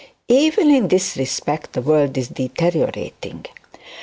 Even in this respect the world is deteriorating.